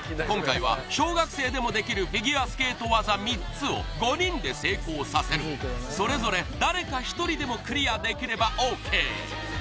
今回は小学生でもできるフィギュアスケート技３つを５人で成功させるそれぞれ誰か一人でもクリアできればＯＫ